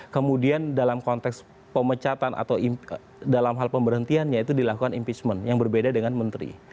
kemudian dalam konteks pemecatan atau dalam hal pemberhentiannya itu dilakukan impeachment yang berbeda dengan menteri